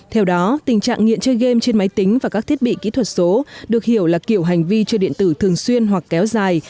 theo đó tình trạng nghiện chơi game trên máy tính và các thiết bị kỹ thuật số được hiểu là kiểu hành vi chơi điện tử thường xuyên hoặc kéo dài